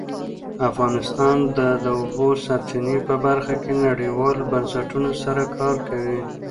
افغانستان د د اوبو سرچینې په برخه کې نړیوالو بنسټونو سره کار کوي.